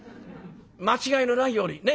間違いのないように。ね？